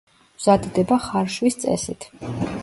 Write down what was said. მზადდება ხარშვის წესით.